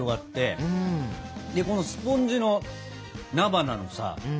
このスポンジの菜花のさ